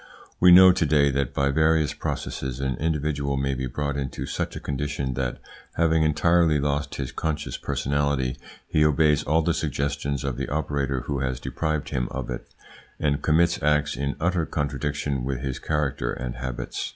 We know to day that by various processes an individual may be brought into such a condition that, having entirely lost his conscious personality, he obeys all the suggestions of the operator who has deprived him of it, and commits acts in utter contradiction with his character and habits.